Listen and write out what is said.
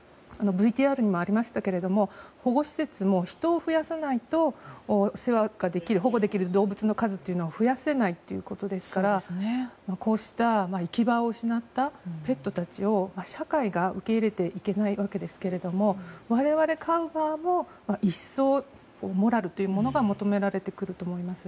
ＶＴＲにもありましたけど保護施設も職員を増やさないと世話できる動物の数を増やせないということですから行き場を失ったペットたちを社会が受け入れていけないわけですが我々、飼う側も一層モラルが求められてくると思います。